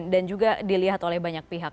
dan juga dilihat oleh banyak pihak